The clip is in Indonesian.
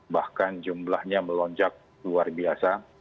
bahkan jumlahnya melonjak luar biasa